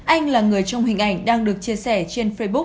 anh là người trong hình ảnh đang được chia sẻ trên facebook